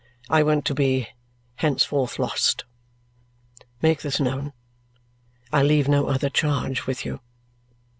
I went to be henceforward lost. Make this known. I leave no other charge with you."